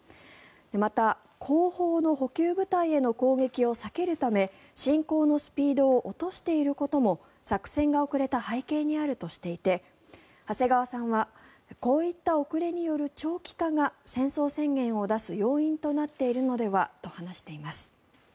また後方の補給部隊への攻撃を避けるため進行のスピードを落としていることも作戦が遅れた背景にあるとしていて長谷川さんはこういった遅れによる長期化が戦争宣言を出す要因となっているのではと話しています。